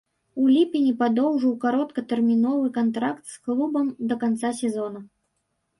У ліпені падоўжыў кароткатэрміновы кантракт з клубам да канца сезона.